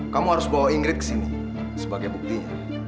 kamu harus bawa ingrid kesini sebagai buktinya